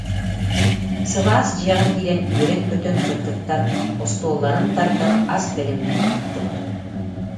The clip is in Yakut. Сылаас дьиэҕэ киирэн үөрэн-көтөн кыргыттар остуолларын тардан, ас бэлэмнээн бардылар